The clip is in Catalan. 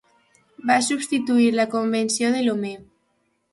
Va substituir la Convenció de Lomé.